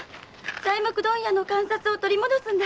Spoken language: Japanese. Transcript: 材木問屋の鑑札を取り戻すんだ。